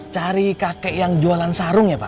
cari kakek yang jualan sarung ya pak